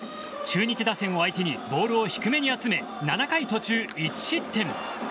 中日打線を相手にボールを低めに集め７回途中、１失点。